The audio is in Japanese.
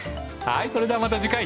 それではまた次回！